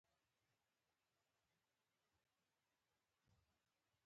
د کندهار د سمنټو فابریکه هم په پام کې ده.